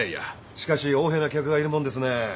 しかし横柄な客がいるもんですね。